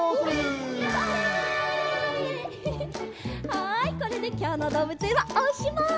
はいこれできょうのどうぶつえんはおしまい。